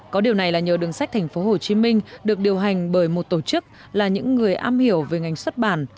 có điều này là nhờ đường sách thành phố hồ chí minh được điều hành bởi một tổ chức là những người am hiểu về ngành xuất bản